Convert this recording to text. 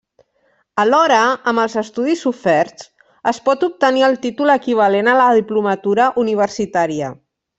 Alhora, amb els estudis oferts, es pot obtenir el títol equivalent a la diplomatura universitària.